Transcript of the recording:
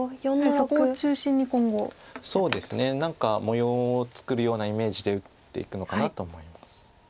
そうですね何か模様を作るようなイメージで打っていくのかなと思います。